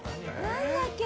何だっけ。